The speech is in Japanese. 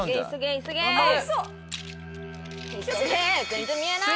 全然見えない。